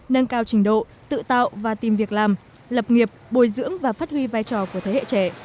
nâng cao trình độ tự tạo và tìm việc làm lập nghiệp bồi dưỡng và phát huy vai trò của thế hệ trẻ